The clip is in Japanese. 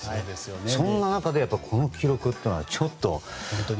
そんな中でこの記録というのはちょっと。